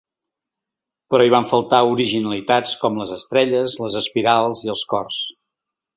Però hi van faltar originalitats com les estrelles, les espirals i els cors.